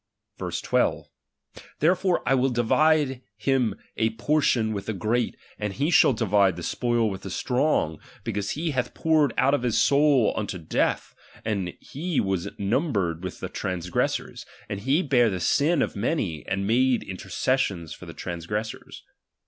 (Verse 12) : Therefore I will divide him a por tion with the great, and he shall divide the spoil with the strong ; because he hath poured out his soul unto death, and he was numbered with the transgressors, and lie bare the sin of many, and made intercession for the transgressors.